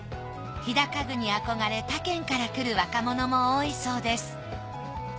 飛騨家具に憧れ他県から来る若者も多いそうです。